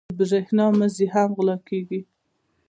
د برېښنا مزي یې هم غلا کېږي.